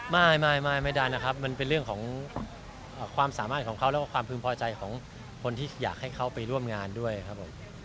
ไม่ได้นะครับมันเป็นเรื่องของความสามารถของเขาแล้วก็ความพึงพอใจของคนที่อยากให้เขาไปร่วมงานด้วยครับผม